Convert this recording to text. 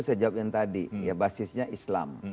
saya jawab yang tadi ya basisnya islam